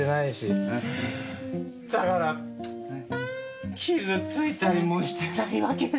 だから傷ついたりもしてないわけで。